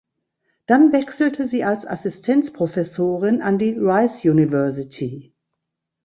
Dann wechselte sie als Assistenzprofessorin an die Rice University.